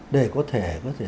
để có thể